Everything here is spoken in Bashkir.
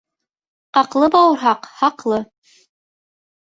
Ҡаҡлы бауырһаҡ хаҡлы.